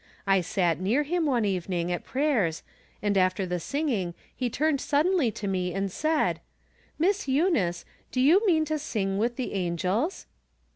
I sat near him, one even ing, at prayers, and, after the singing, he turned suddenly to me, and said :■" Miss Eunice, do you mean to sing with the angels